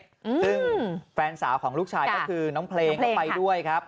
ซึ่งแฟนสาวของลูกชายก็คือน้องเพลงก็ไปด้วยครับ